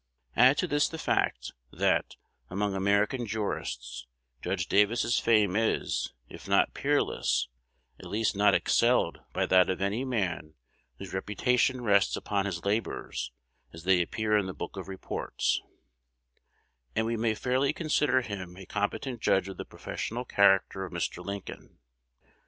Add to this the fact, that, among American jurists, Judge Davis's fame is, if not peerless, at least not excelled by that of any man whose reputation rests upon his labors as they appear in the books of Reports, and we may very fairly consider him a competent judge of the professional character of Mr. Lincoln.